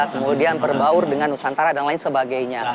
kemudian berbaur dengan nusantara dan lain sebagainya